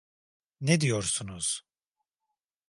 Ne diyorsunuz?